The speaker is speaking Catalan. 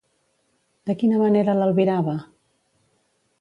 De quina manera l'albirava?